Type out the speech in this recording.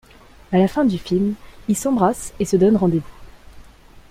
À la fin du film, ils s'embrassent et se donnent rendez-vous.